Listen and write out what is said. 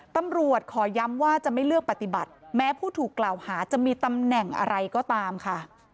ตำรวจขอย้ำว่าจะไม่เลือกปฏิบัติแม้ผู้ถูกกล่าวหาจะมีตำแหน่งอะไรก็ตามค่ะ